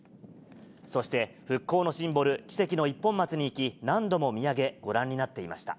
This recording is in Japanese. そして復興のシンボル、奇跡の一本松に行き、何度も見上げ、ご覧になっていました。